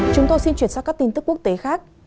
chúng tôi xin chuyển sang các tin tức quốc tế khác